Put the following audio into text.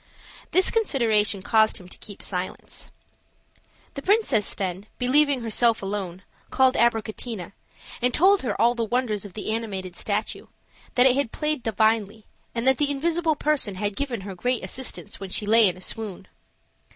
This consideration caused him to keep silence. The princess, then, believing herself alone, called Abricotina and told her all the wonders of the animated statue; that it had played divinely, and that the invisible person had given her great assistance when she lay in a swoon.